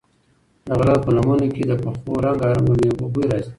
د غره په لمنو کې د پخو رنګارنګو مېوو بوی راځي.